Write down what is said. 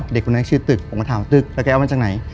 เด็กคนนั้นชื่อตึกผมก็ถามตึกแล้วแกเอามาจากไหน